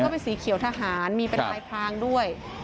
เป็นสีเขียวทหารมีเป็นลายพรางด้วย